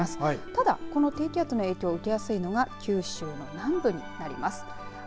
ただこの低気圧の影響を受けやすいのが九州の南部になります。